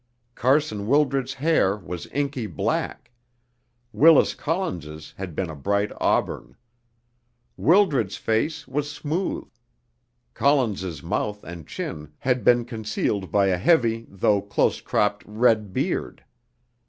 Carson Wildred's hair was inky black; Willis Collins's had been a bright auburn. Wildred's face was smooth; Collins's mouth and chin had been concealed by a heavy though close cropped red beard.